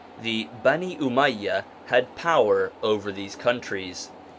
The Bani Umayya had power over these countries.